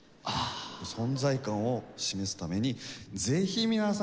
存在感を示すためにぜひ皆さん